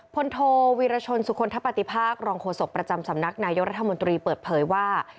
โทวีรชนสุคลทะปฏิภาครองโฆษกประจำสำนักนายกรัฐมนตรีเปิดเผยว่า